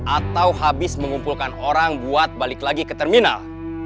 atau habis mengumpulkan orang buat balik lagi ke terminal